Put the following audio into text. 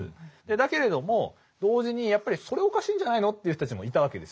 だけれども同時にやっぱりそれおかしいんじゃないのっていう人たちもいたわけですよね。